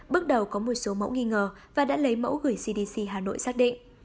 bước đầu có một số mẫu nghi ngờ và đã lấy mẫu gửi cdc hà nội xác định